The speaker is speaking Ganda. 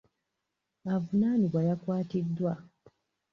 Avunaanibwa yakwatiddwa.